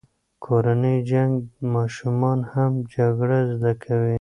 کورنی جنګ ماشومان هم جګړه زده کوي.